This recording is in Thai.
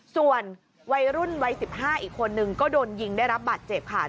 ส่วนวัยรุ่นวัย๑๕อีกคนนึงก็โดนยิงได้รับบาดเจ็บค่ะ